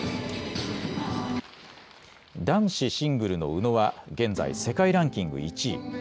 男子シングルの宇野は、現在世界ランキング１位。